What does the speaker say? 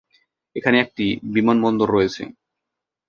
এখানে একটি বিমানবন্দর রয়েছে।